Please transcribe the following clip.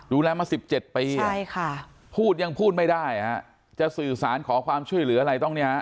ดูแลมา๑๗ปีพูดยังพูดไม่ได้ฮะจะสื่อสารขอความช่วยเหลืออะไรต้องเนี่ย